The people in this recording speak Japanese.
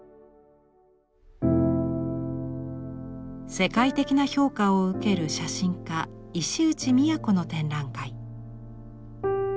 世界的な評価を受ける写真家石内都の展覧会。